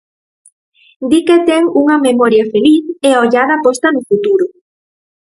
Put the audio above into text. Di que ten unha memoria feliz e a ollada posta no futuro.